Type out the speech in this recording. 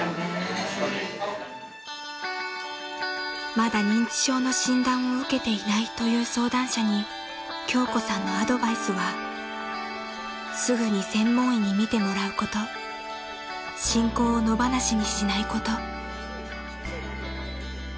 ［まだ認知症の診断を受けていないという相談者に京子さんのアドバイスは「すぐに専門医に診てもらうこと」「進行を野放しにしないこと」］